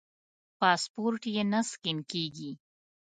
پاسپورټ یې نه سکېن کېږي.